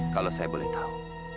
kalau saya boleh tahu